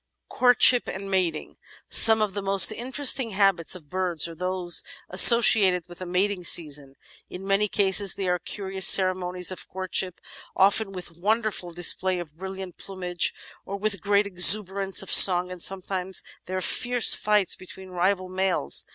Courtship and Mating Some of the most interesting habits of birds are those as sociated with the mating season. In many cases there are curious 434 The Outline of Science ceremonies of courtship, often with wonderful "display" of bril liant plumage or with great exuberance of song, and sometimes there are fierce fights between rival males.